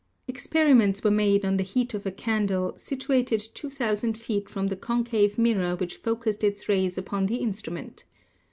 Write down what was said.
Experiments were made on the heat of a candle situated 2,000 feet from the concave mirror which focused its rays upon the instrument.